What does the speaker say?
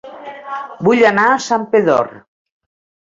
Vull anar a Santpedor